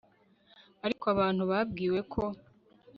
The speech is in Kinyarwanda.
ariko abantu babwiwe ko